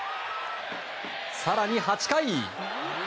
更に８回。